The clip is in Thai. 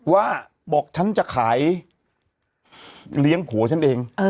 ว่าบอกฉันจะขายเลี้ยงผัวฉันเอง